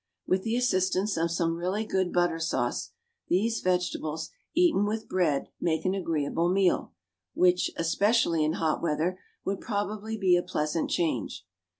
With the assistance of some really good butter sauce, these vegetables, eaten with bread, make an agreeable meal, which, especially in hot weather, would probably be a pleasant change.